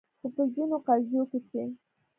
خو په ځینو قضیو کې چې